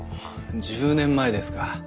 １０年前ですか。